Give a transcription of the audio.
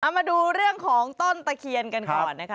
มาดูเรื่องของต้นตะเคียนกันก่อนนะคะ